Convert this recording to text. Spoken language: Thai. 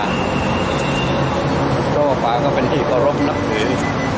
รู้สึกว่าฟ้าก็เป็นที่ก็รบนักศึก